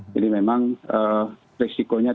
jadi memang risiko